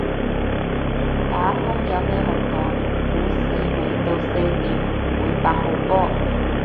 打風有咩好講，股市未到四點唔會八號波